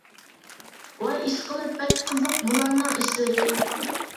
ۋاي ئىشقىلىپ، بەك قىزىق بۇلارنىڭ ئىشلىرى.